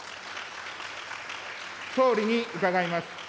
総理に伺います。